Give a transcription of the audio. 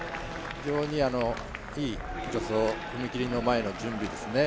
非常にいい助走、踏み切りの前準備ですね。